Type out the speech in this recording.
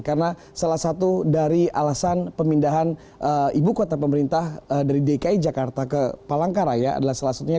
karena salah satu dari alasan pemindahan ibu kota pemerintah dari dki jakarta ke palangkaraya adalah salah satunya